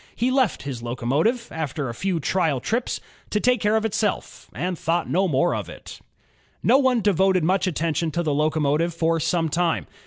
He left his locomotive, after a few trial trips, to take care of itself, and thought no more about it. No one devoted much attention to the locomotive for some time.